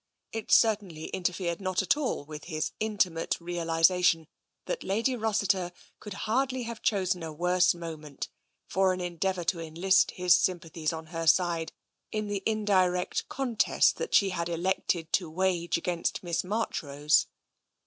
It certainly interfered not at all with his intimate realisation that Lady Ros siter could hardly have chosen a worse moment for an endeavour to enlist his sympathies on her side in the indirect contest that she had elected to wage against Miss Marchrose.